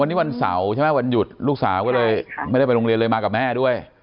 วันนี้วันเสาร์ใช่ไหมวันหยุดลูกสาวก็เลยไม่ได้ไปโรงเรียนเลยมากับแม่ด้วย